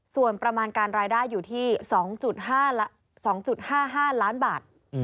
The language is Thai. ส่วนประมาณการรายได้อยู่ที่๒๕๕ล้านบาท